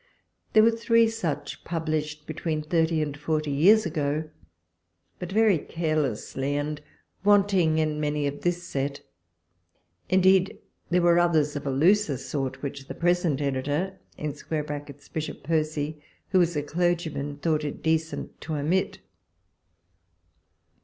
There were three such published between thirty and forty years ago, but very carelessly, and wanting many in this set : in deed, there were others, of a looser sort, which the present editor [Bishop Percy], who is a clergyman, thought it decent to omit.